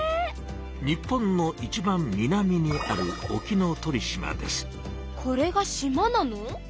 日本のいちばん南にあるこれが島なの？